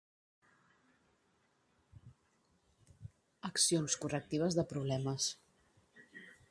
Accions correctives de problemes.